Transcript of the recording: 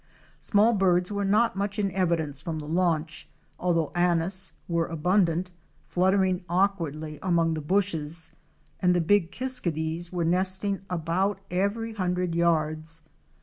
Small birds were not much in evidence from the launch, although Anis ® were abundant, fluttering awkwardly among the bushes, and the big Kiskadees™ were nesting about every hundred yards.